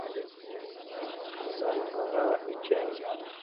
Zal gaŋa eceŋ.